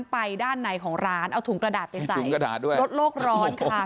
ไปด้านในของร้านเอาถุงกระดาษไปใส่ถุงกระดาษด้วยลดโลกร้อนค่ะ